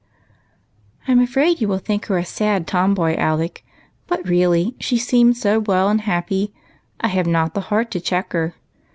" I 'm afraid you will think her a sad tomboy. Alec ; but really she seems so well and happy, I have not the heart to check her.